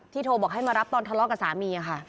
โทรบอกให้มารับตอนทะเลาะกับสามีค่ะ